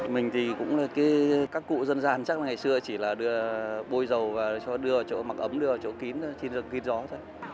mình thì cũng là cái các cụ dân gian chắc là ngày xưa chỉ là đưa bôi dầu vào cho đưa vào chỗ mặc ấm đưa vào chỗ kín kín gió thôi